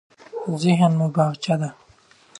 ذهن مو باغچه ده.